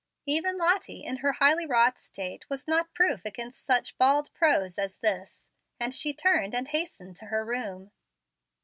Even Lottie, in her highly wrought state, was not proof against such bald prose as this; and she turned and hastened to her room.